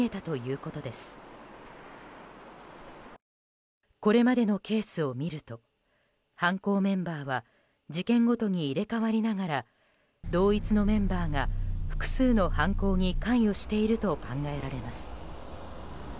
これまでのケースを見ると犯行メンバーは事件ごとに入れ替わりながら同一のメンバーが複数の犯行に関与していると考えられます。